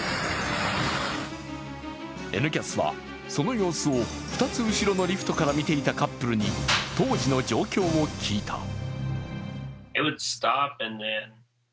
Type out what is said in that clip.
「Ｎキャス」はその様子を２つ後ろのリフトから見ていたカップルに当時の状況を聞いた。